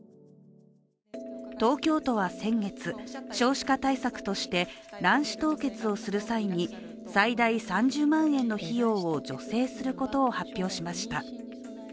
東京都は先月、少子化対策として卵子凍結をする際に最大３０万円の費用を助成することを発表しました。